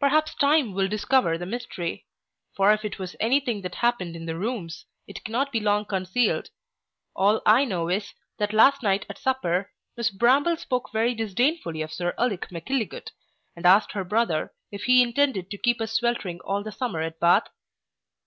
Perhaps time will discover the mystery; for if it was any thing that happened in the Rooms, it cannot be long concealed All I know is, that last night at supper, miss Bramble spoke very disdainfully of Sir Ulic Mackilligut, and asked her brother if he intended to keep us sweltering all the summer at Bath?